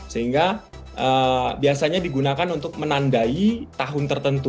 sehingga biasanya digunakan untuk menandai tahun tertentu